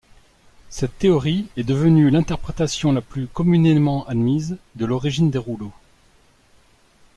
Cette théorie est devenue l'interprétation la plus communément admise de l'origine des rouleaux.